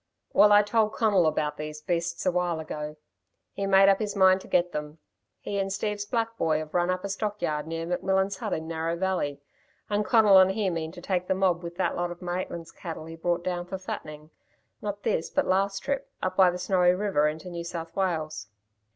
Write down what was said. Well, I told Conal about these beasts a while ago. He made up his mind to get them. He and Steve's black boy 've run up a stockyard near McMillan's hut in Narrow Valley, and Conal and he mean to take the mob with that lot of Maitland's cattle he brought down for fattening, not this, but last trip, up by the Snowy River into New South Wales."